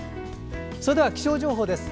それでは気象情報です。